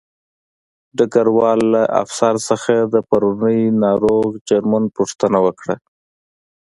ډګروال له افسر څخه د پرونۍ ناروغ جرمني پوښتنه وکړه